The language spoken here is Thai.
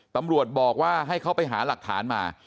ตำรวจบอกว่าให้เขาไปหาหลักฐานมา